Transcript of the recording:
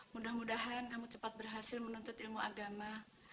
mudah mudahan kamu cepat berhasil menuntut ilmu agama